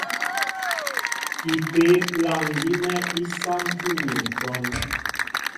Ipě' plâŋ gínɛ́ í sántí ni ǹshɔ́n.